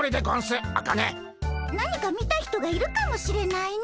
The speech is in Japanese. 何か見た人がいるかもしれないね。